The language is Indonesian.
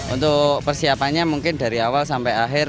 untuk persiapannya mungkin dari awal sampai akhir